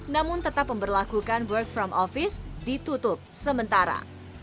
namun tetap memperlakukan work from office ditutup sementara